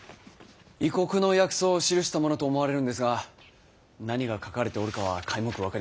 異国の薬草を記したものと思われるんですが何が書かれておるかは皆目分かりません。